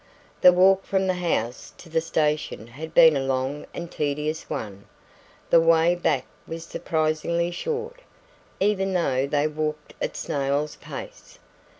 The walk from the house to the station had been a long and tedious one. The way back was surprisingly short, even though they walked at snail's pace.